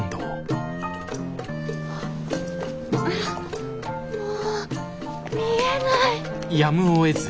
あもう見えない。